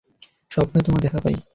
স্বপ্নেও তোমার দেখা পাই।